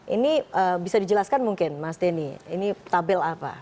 ini bisa dijelaskan mungkin mas denny ini tabel apa